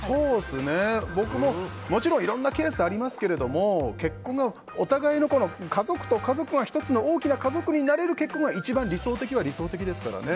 もちろんいろんなケースありますけどもお互いの家族と家族が１つの大きな家族になれる結婚が一番理想的は理想的ですからね。